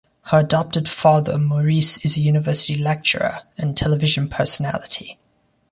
Her adoptive father, Maurice, is a university lecturer and television personality.